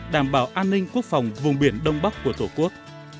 nâng ninh quốc phòng vùng biển đông bắc của tổ quốc